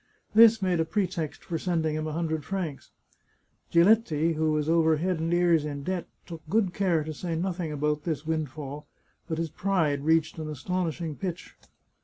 This made a pretext for sending him a hundred francs. Giletti, who was over head and ears in debt, took good care to say nothing about this windfall, but his pride reached an aston ishing pitch.